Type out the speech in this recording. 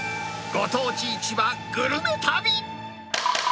ご当地市場グルメ旅。